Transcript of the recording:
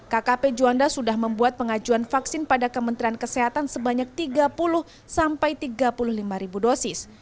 kkp juanda sudah membuat pengajuan vaksin pada kementerian kesehatan sebanyak tiga puluh sampai tiga puluh lima ribu dosis